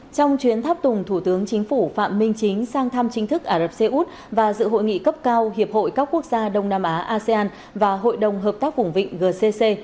trong chuyến tháp tùng thủ tướng chính phủ phạm minh chính sang thăm chính thức ả rập xê út và dự hội nghị cấp cao hiệp hội các quốc gia đông nam á asean và hội đồng hợp tác hùng vịnh gcc